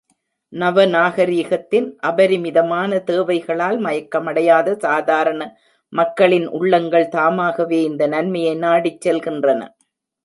நவ நாகரிகத்தின் அபரிமிதமான தேவைகளால் மயக்கமடையாத சாதாரண மக்களின் உள்ளங்கள் தாமாகவே இந்த நன்மையை நாடிச் செல்கின்றன.